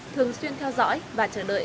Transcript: thường xuyên theo dõi và chờ đợi